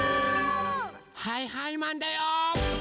はいはいマンだよー！